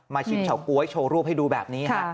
ชิมเฉาก๊วยโชว์รูปให้ดูแบบนี้ฮะ